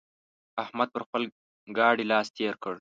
احمد پر خپل ګاډي لاس تېر کړ.